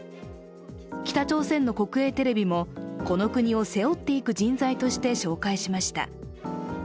北朝鮮の国営テレビもこの国を背負っていく人材として紹介しました。